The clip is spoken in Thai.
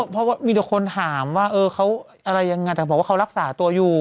เพราะว่ามีแต่คนถามว่าเออเขาอะไรยังไงแต่บอกว่าเขารักษาตัวอยู่